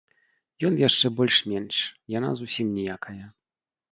Ён яшчэ больш-менш, яна зусім ніякая.